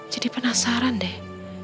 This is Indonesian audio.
jadi penasaran deh